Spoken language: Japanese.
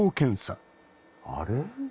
あれ？